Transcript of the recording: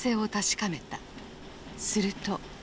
すると。